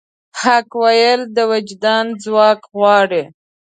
حق ویل د وجدان ځواک غواړي.